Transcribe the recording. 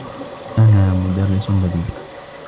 أنا مدرّس بديل.